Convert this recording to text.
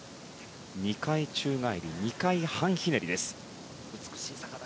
２回宙返り２回半ひねり。